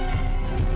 aku tak nurut